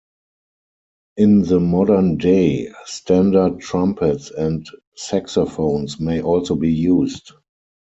In the modern day, standard trumpets and saxophones may also be used.